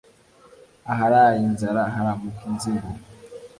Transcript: Aharaye inzara haramuka inzigo.